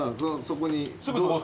そこに。